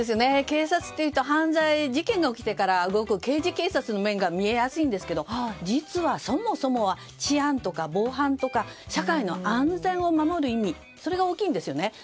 警察というと犯罪、事件が起きてから動くという刑事警察の面が見えやすいんですが実はそもそもは治安とか防犯とか社会の安全を守る意味それが大きいんですね。